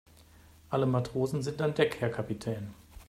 Alle Matrosen sind an Deck, Herr Kapitän.